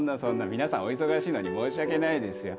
皆さんお忙しいのに申し訳ないですよ。